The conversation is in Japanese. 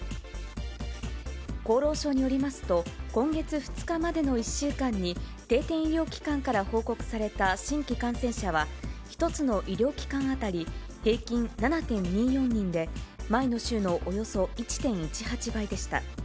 厚労省によりますと、今月２日までの１週間に、定点医療機関から報告された新規感染者は、１つの医療機関当たり平均７．２４人で、前の週のおよそ１．１８倍でした。